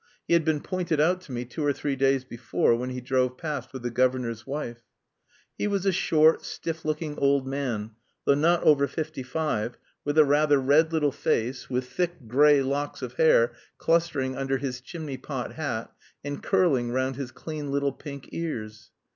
He had been pointed out to me two or three days before when he drove past with the governor's wife. He was a short, stiff looking old man, though not over fifty five, with a rather red little face, with thick grey locks of hair clustering under his chimney pot hat, and curling round his clean little pink ears.